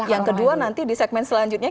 yang kedua nanti di segmen selanjutnya